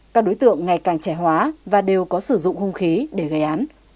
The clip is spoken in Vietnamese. các đối tượng ngày càng trẻ hóa và đều có sử dụng hung khí để gây án